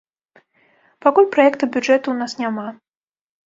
Пакуль праекта бюджэту ў нас няма.